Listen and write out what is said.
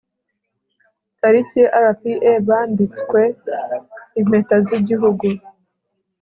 tariki rpa bambitswe impeta z'igihugu